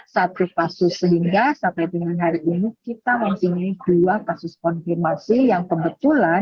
satu kasus sehingga sampai dengan hari ini kita mempunyai dua kasus konfirmasi yang kebetulan